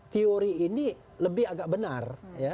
teori ini lebih agak benar